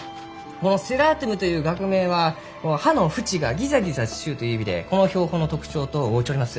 このｓｅｒｒａｔｕｍという学名は葉の縁がギザギザしちゅうという意味でこの標本の特徴と合うちょります。